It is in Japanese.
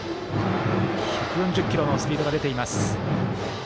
１４０キロのスピードが出ています。